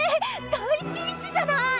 大ピンチじゃない！